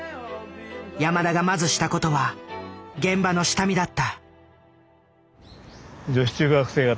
山田がまずした事は現場の下見だった。